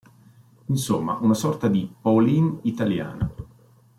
Insomma, una sorta di Pauline italiana.